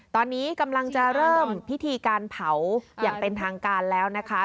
ตอนนี้กำลังจะเริ่มพิธีการเผาอย่างเป็นทางการแล้วนะคะ